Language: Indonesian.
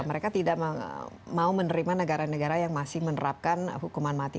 mereka tidak mau menerima negara negara yang masih menerapkan hukuman mati